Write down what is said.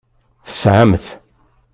Tesɛam-t.